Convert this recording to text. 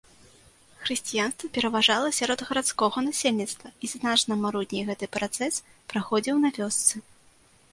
Хрысціянства пераважала сярод гарадскога насельніцтва, і значна марудней гэты працэс праходзіў на вёсцы.